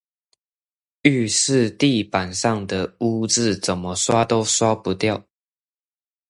浴室地板上的污漬怎麼刷都刷不掉